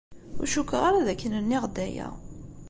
Ur cukkeɣ ara d akken nniɣ-d aya.